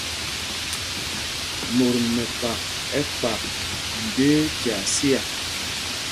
Mot mɛkpak ɛ́ kpak ndə́ə́ tyaa siá.